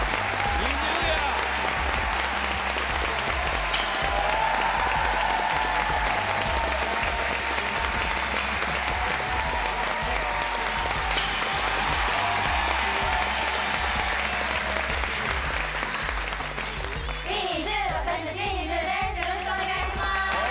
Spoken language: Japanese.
よろしくお願いします。